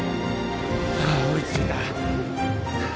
あ追いついた。